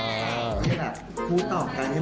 ในวันนี้ก็เป็นการประเดิมถ่ายเพลงแรก